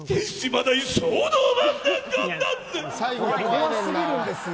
怖すぎるんですよ。